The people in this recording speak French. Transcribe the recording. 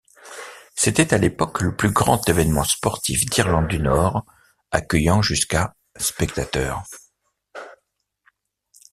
C’était à l’époque le plus grand événement sportif d’Irlande du Nord, accueillant jusqu’à spectateurs.